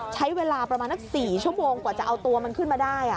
ใช้เวลาประมาณนัก๔ชั่วโมงกว่าจะเอาตัวมันขึ้นมาได้